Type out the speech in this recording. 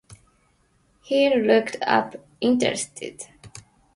He looked up interested.